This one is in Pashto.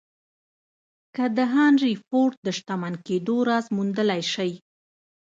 که د هنري فورډ د شتمن کېدو راز موندلای شئ.